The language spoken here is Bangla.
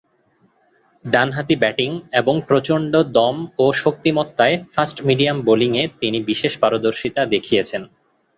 ডানহাতি ব্যাটিং এবং প্রচণ্ড দম ও শক্তিমত্তায় ফাস্ট মিডিয়াম বোলিংয়ে তিনি বিশেষ পারদর্শিতা দেখিয়েছেন।